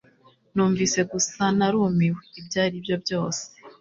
Numvise gusa narumiwe. Ibyo aribyo byose.